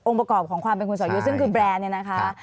ประกอบของความเป็นคุณสอยุทธ์ซึ่งคือแบรนด์เนี่ยนะคะ